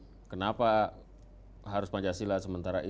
di sini aja harus papa nangisin hal hal